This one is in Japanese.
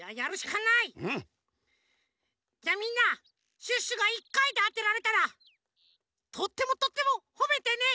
じゃみんなシュッシュが１かいであてられたらとってもとってもほめてね！